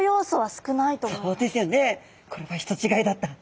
これは人違いだった。